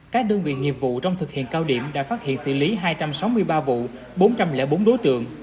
các đơn vị nghiệp vụ trong thực hiện cao điểm đã phát hiện xử lý hai trăm sáu mươi ba vụ bốn trăm linh bốn đối tượng